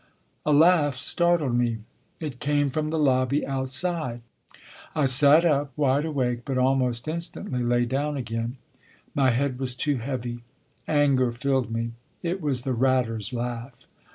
A laugh startled me. It came from the lobby outside. I sat up, wide awake, but almost instantly lay down again; my head was too heavy. Anger filled me it was the Ratter s laugh.